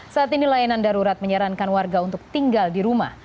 saat ini layanan darurat menyarankan warga untuk tinggal di rumah